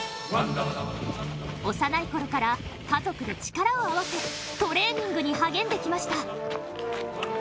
幼いころから家族で力を合わせ、トレーニングに励んできました。